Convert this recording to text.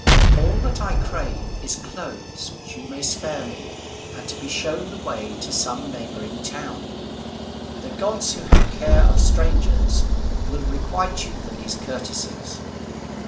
All that I crave is clothes, which you may spare me, and to be shown the way to some neighbouring town. The gods, who have care of strangers, will requite you for these courtesies."